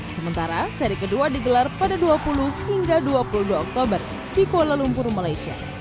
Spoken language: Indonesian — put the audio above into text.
sementara seri kedua digelar pada dua puluh hingga dua puluh dua oktober di kuala lumpur malaysia